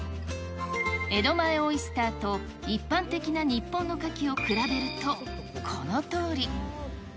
江戸前オイスターと、一般的な日本のカキを比べるとこのとおり。